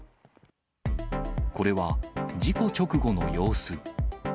これは事故直後の様子。